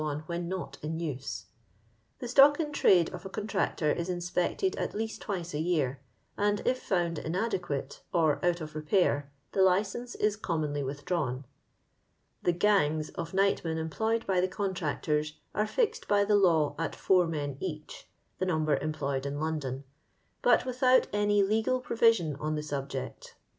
when not in use. The stock in trade of a contractor is inspected at least twice a year, and if found inadequate or out of zepair the license is commonly with drawn. The " gangs'' of nightmen employed by the contractors are fixed by the law at four men each (the number employed in Loudon), but without any legal provision on the subject.